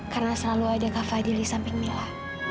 karena selalu ada kak fadiyah di samping mila